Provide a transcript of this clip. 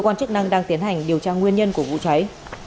cơ quan chức năng đang tiến hành điều tra nguyên nhân của vụ cháy